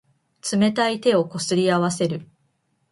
冷たい手をこすり合わせる。